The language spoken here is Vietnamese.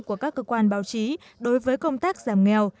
của các cơ quan báo chí đối với công tác giảm nghèo